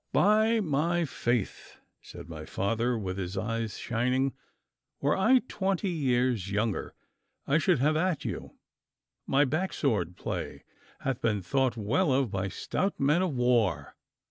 'By my faith,' said my father with his eyes shining, 'were I twenty years younger I should have at you! My backsword play hath been thought well of by stout men of war.